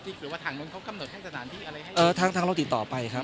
เพียงแต่ว่าอาจจะมีหลุดมานิดนึงที่บังเอิญว่าน้องเขานั่งใช่ไหมครับ